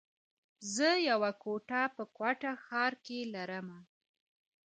زه يوه کوټه په کوټه ښار کي لره مه